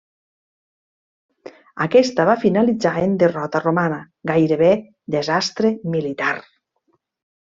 Aquesta va finalitzar en derrota romana, gairebé desastre militar.